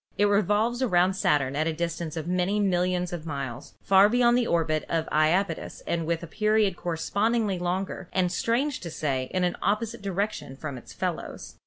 It revolves around Saturn at a dis tance of many millions of miles, far beyond the orbit of Japetus and with a period correspondingly longer, and, strange to say, in an opposite direction from its fellows.